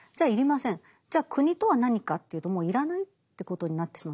じゃあ国とは何かというともう要らないということになってしまうんですね。